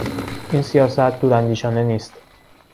این سیاست دوراندیشانه نیست.